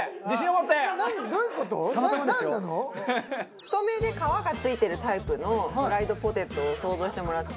太めで皮が付いてるタイプのフライドポテトを想像してもらって。